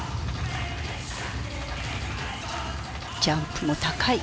ジャンプも高い。